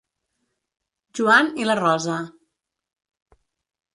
Joan i la Rosa.